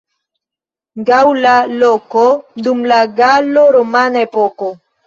Gaŭla loko dum la galo-romana epoko.